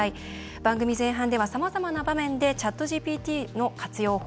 番組前半では、さまざまな場面でＣｈａｔＧＰＴの活用法。